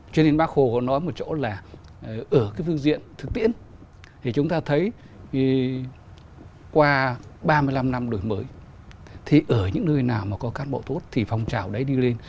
cho nên bác hồ có nói một chỗ là ở cái phương diện thực tiễn thì chúng ta thấy qua ba mươi năm năm đổi mới thì ở những nơi nào mà có cán bộ tốt thì phong trào đấy đi lên